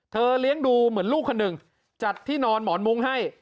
เลี้ยงดูเหมือนลูกคนหนึ่งจัดที่นอนหมอนมุ้งให้